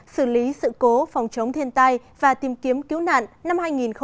xử lý sự cố phòng chống thiên tai và tìm kiếm cứu nạn năm hai nghìn hai mươi